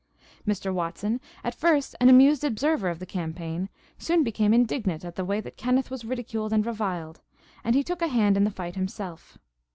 Mr. Watson, at first an amused observer of the campaign, soon became indignant at the way that Kenneth was ridiculed and reviled; and he took a hand in the fight himself.